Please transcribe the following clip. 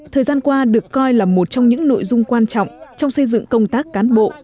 thời gian qua được coi là một trong những nội dung quan trọng trong xây dựng công tác cán bộ